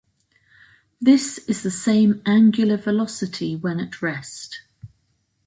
This is the same angular velocity when at rest.